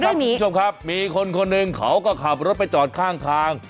เลื่อนนี้ครับผู้ชมครับมีคนคนหนึ่งเขาก็ขับรถไปจอดข้าง